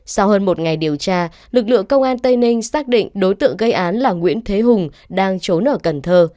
sau hơn một ngày điều tra lực lượng công an tây ninh xác định đối tượng gây án là nguyễn thế hùng đang trốn ở cần thơ